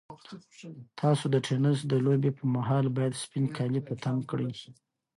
تاسو د تېنس د لوبې پر مهال باید سپین کالي په تن کړئ.